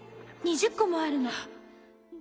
２０個もあるの」